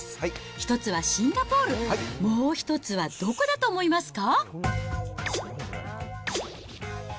１つはシンガポール、もう一つはどこだと思いますか？